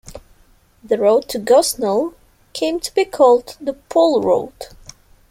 The road to Gosnell came to be called the Pole Road.